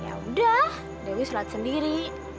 ya udah dewi sholat sendiri